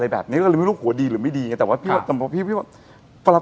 แบบนี้เราไม่รู้หัวดีหรือไม่ดีแต่ว่าพี่ว่า